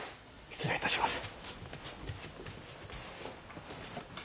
失礼いたします。